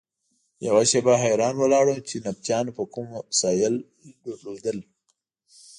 یوه شېبه حیران ولاړ وم چې نبطیانو به کوم وسایل لرل.